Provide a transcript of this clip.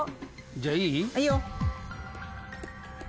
じゃあいい？いいよ。